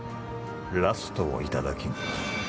ラストをいただきに。